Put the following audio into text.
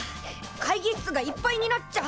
会議室がいっぱいになっちゃう！